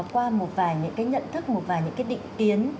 qua một vài những cái nhận thức một vài những cái định kiến